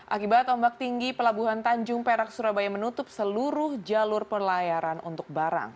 akibat ombak tinggi pelabuhan tanjung perak surabaya menutup seluruh jalur pelayaran untuk barang